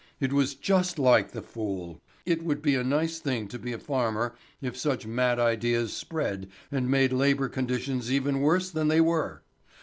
It was just like the fool! It would be a nice thing to be a farmer if such mad ideas spread and made labour conditions even worse than they were!